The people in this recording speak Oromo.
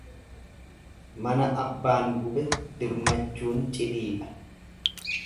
Mana abbaan gube dirmachuun cidiidha.